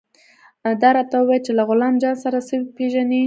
دا راته ووايه چې له غلام جان سره څه پېژنې.